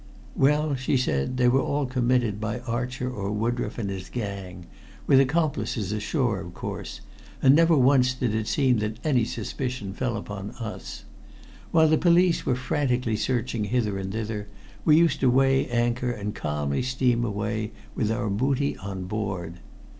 "Well," she said, "they were all committed by Archer or Woodroffe and his gang with accomplices ashore, of course and never once did it seem that any suspicion fell upon us. While the police were frantically searching hither and thither, we used to weigh anchor and calmly steam away with our booty on board.